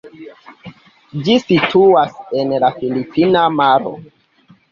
Ĝi situas en la filipina maro.